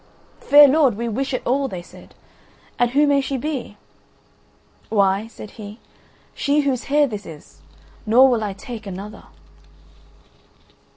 "Fair lord, we wish it all," they said, "and who may she be?" "Why," said he, "she whose hair this is; nor will I take another."